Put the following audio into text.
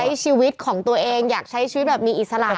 ใช้ชีวิตของตัวเองอยากใช้ชีวิตมีอิสระอะไรอย่างนี้